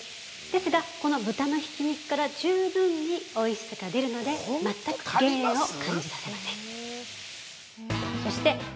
ですが、この豚のひき肉から十分においしさが出るので全く減塩を感じさせません。